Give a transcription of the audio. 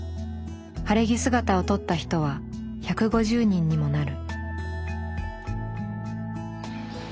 晴れ着姿を撮った人は１５０人にもなる。